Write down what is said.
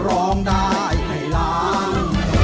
ร้องได้ให้ล้าน